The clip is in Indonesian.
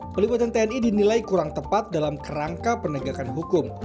pelibatan tni dinilai kurang tepat dalam kerangka penegakan hukum